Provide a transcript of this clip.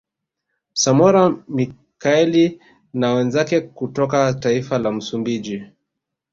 Samora Michaeli na wenzake kutoka taifa la Msumbiji